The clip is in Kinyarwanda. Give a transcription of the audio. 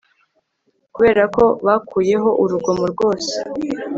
Kuberako bakuyeho urugomo rwose